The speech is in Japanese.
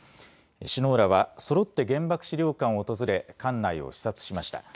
首脳らはそろって原爆資料館を訪れ館内を視察しました。